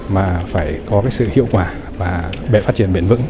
mà phải có sự hiệu quả và phát triển bền vững